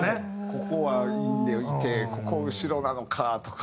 ここはインでいってここ後ろなのかとかは。